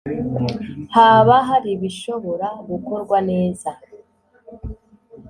haba hari ibishobora gukorwa neza